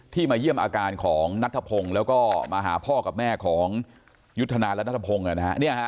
มาเยี่ยมอาการของนัทธพงศ์แล้วก็มาหาพ่อกับแม่ของยุทธนาและนัทพงศ์